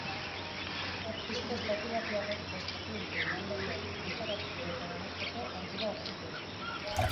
Artista estatubatuarrak prestatu dituen lan berriak argitaratzeko eta banatzeko ardura hartuko du.